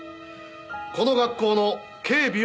この学校の警備を頼む。